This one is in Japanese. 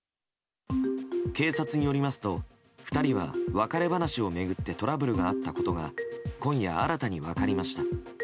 警察によりますと２人は別れ話を巡ってトラブルがあったことが今夜、新たに分かりました。